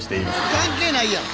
関係ないやん！